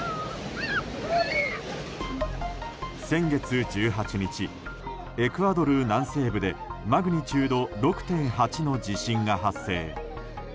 先月１８日、エクアドル南西部でマグニチュード６．８の地震が発生。